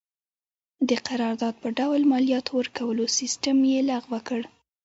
د قرارداد په ډول مالیاتو ورکولو سیستم یې لغوه کړ.